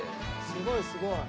すごいすごい。